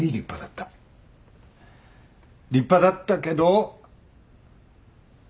立派だったけど。